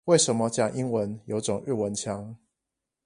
為什麼講英文有種日文腔